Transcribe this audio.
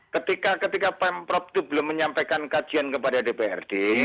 ketika pamprop itu belum menyampaikan kajian kepada dprd